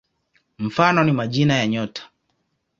Mfano ni majina ya nyota.